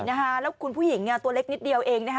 แล้วคุณผู้หญิงตัวเล็กนิดเดียวเองนะคะ